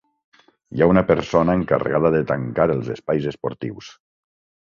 Hi ha una persona encarregada de tancar els espais esportius.